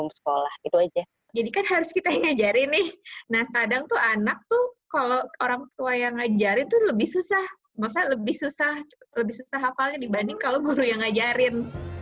maksudnya lebih susah hafalnya dibanding kalau guru yang ngajarin